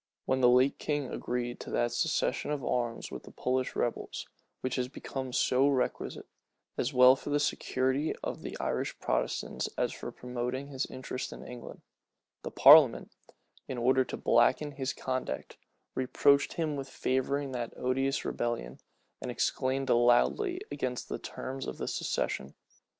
When the late king agreed to that cessation of arms with the Popish rebels,[*] which was become so requisite, as well for the security of the Irish Protestants as for promoting his interests in England, the parliament, in order to blacken his conduct, reproached him with favoring that odious rebellion, and exclaimed loudly against the terms of the cessation.